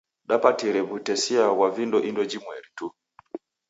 Dapatire w'utesia ghwa vindo indo jimweri tu.